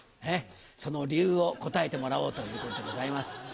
その理由を答えてもらおうということでございます。